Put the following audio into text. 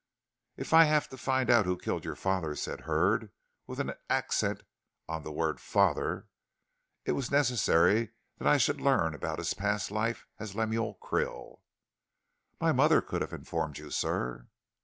"If I have to find out who killed your father," said Hurd, with an accent on the word "father," "it was necessary that I should learn about his past life as Lemuel Krill." "My mother could have informed you, sir."